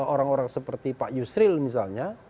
orang orang seperti pak yusril misalnya